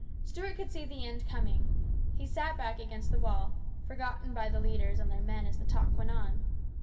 Stuart could see the end coming. He sat back against the wall, forgotten by the leaders and their men as the talk went on.